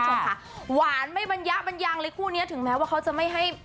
เออหวานไม่บรรยะบรรยังเลยคู่เนี้ยถึงแม้ว่าเขาจะไม่ให้